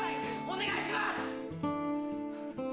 お願いします！